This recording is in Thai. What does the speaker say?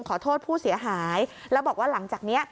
ขอโทษผู้เสียหายแล้วบอกว่าหลังจากนี้